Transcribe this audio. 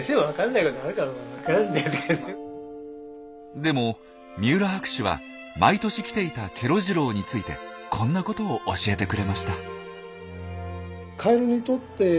でも三浦博士は毎年来ていたケロ次郎についてこんなことを教えてくれました。